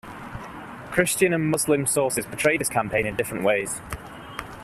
Christian and Muslim sources portray this campaign in different ways.